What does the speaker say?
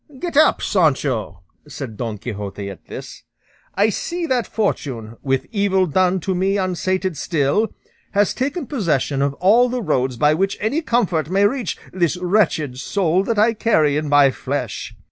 "Get up, Sancho," said Don Quixote at this; "I see that fortune, 'with evil done to me unsated still,' has taken possession of all the roads by which any comfort may reach 'this wretched soul' that I carry in my flesh.